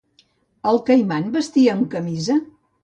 El Caiman vestia amb camisa?